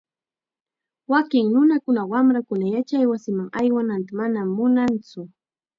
Wakin nunakunaqa wamrankuna yachaywasiman aywananta manam munantsu.